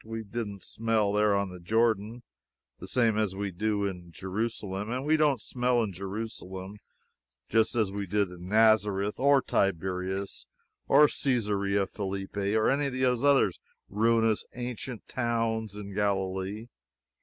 We didn't smell, there on the Jordan, the same as we do in Jerusalem; and we don't smell in Jerusalem just as we did in Nazareth, or Tiberias, or Cesarea Philippi, or any of those other ruinous ancient towns in Galilee.